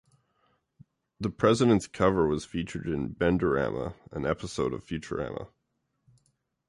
The Presidents' cover was featured in "Benderama," an episode of "Futurama".